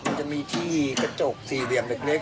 มันจะมีที่กระจก๔เดียงเล็ก